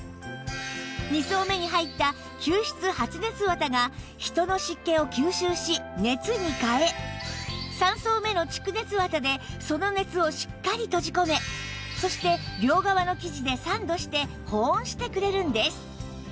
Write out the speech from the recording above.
２層目に入った吸湿発熱綿が人の湿気を吸収し熱に変え３層目の蓄熱綿でその熱をしっかり閉じ込めそして両側の生地でサンドして保温してくれるんです